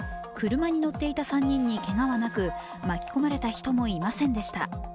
車に乗っていた３人にけがはなく巻き込まれた人もいませんでした。